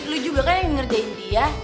lu juga kan yang ngerjain dia